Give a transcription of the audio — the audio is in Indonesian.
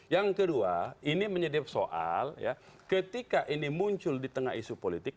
yang kedua ini menyedih soal ketika ini muncul di tengah isu politik